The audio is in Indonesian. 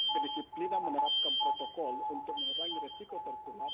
kedisiplinan menerapkan protokol untuk menurangi risiko tertular itu diterapkan dengan baik